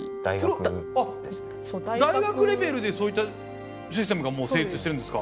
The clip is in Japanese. あっ大学レベルでそういったシステムがもう成立してるんですか？